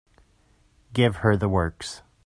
Give her the works.